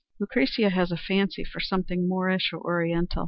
Lucretia has a fancy for something Moorish or Oriental.